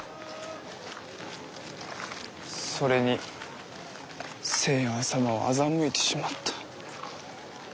それに清庵様を欺いてしまった。